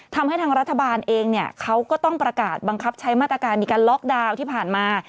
ทำให้ทางรัฐบาลเองเนี่ยเขาก็ต้องประกาศบังคับใช้มาตรการในการล็อกดาวน์ที่ผ่านมา